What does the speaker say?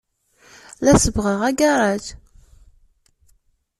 La sebbɣeɣ agaṛaj.